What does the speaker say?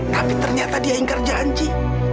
tapi ternyata dia ingkar janji